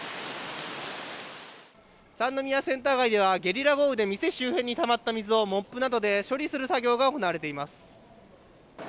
三宮センター街ではゲリラ豪雨で、店周辺にたまった水をモップなどで処理する作業が行われています。